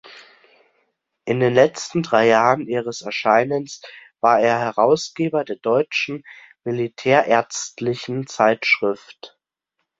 In den letzten drei Jahren ihres Erscheinens war er Herausgeber der Deutschen militärärztlichen Zeitschrift.